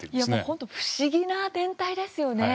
本当、不思議な天体ですよね。